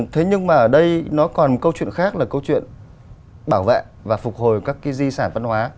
thế nhưng mà ở đây nó còn câu chuyện khác là câu chuyện bảo vệ và phục hồi các cái di sản văn hóa